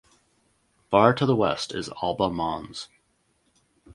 Far to the west is Alba Mons.